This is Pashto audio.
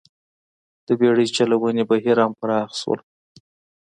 د بېړۍ چلونې بهیر هم پراخ شول